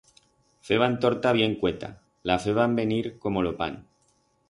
Feban torta bien cueta, la feban venir como lo pan.